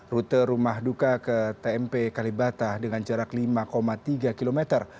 rute rumah duka ke tmp kalibata dengan jarak lima tiga kilometer